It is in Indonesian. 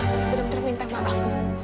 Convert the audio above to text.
saya benar benar minta maaf